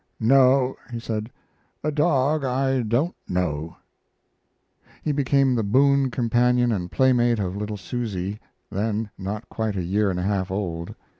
"No," he said. "A dog I don't know." He became the boon companion and playmate of little Susy, then not quite a year and a half old.